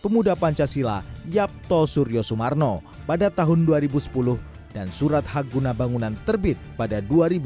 pemuda pancasila yapto suryo sumarno pada tahun dua ribu sepuluh dan surat hak guna bangunan terbit pada dua ribu dua puluh